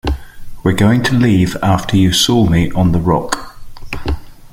You were going to leave after you saw me on the rock.